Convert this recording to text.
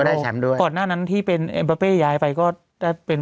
ได้แชมป์ด้วยก่อนหน้านั้นที่เป็นเอ็มเบอร์เป้ย้ายไปก็ได้เป็น